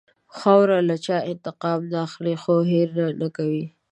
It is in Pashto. خاوره له چا انتقام نه اخلي، خو هېر نه کوي.